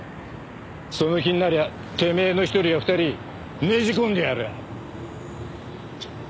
その気になりゃてめえの一人や二人ねじ込んでやる。